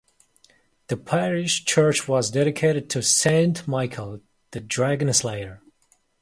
The parish church was dedicated to Saint Michael, the dragon slayer.